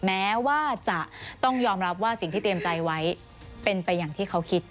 แม้ว่าจะต้องยอมรับว่าสิ่งที่เตรียมใจไว้เป็นไปอย่างที่เขาคิด